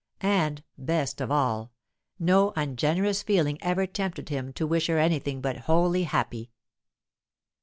And, best of all, no ungenerous feeling ever tempted him to wish her anything but wholly happy.